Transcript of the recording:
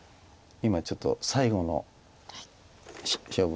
今ちょっと最後の勝負